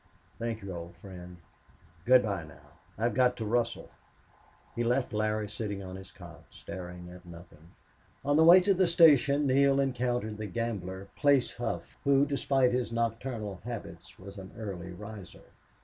"Thank you, old friend. Good by now. I've got to rustle." He left Larry sitting on his cot, staring at nothing. On the way to the station Neale encountered the gambler, Place Hough, who, despite his nocturnal habits, was an early riser.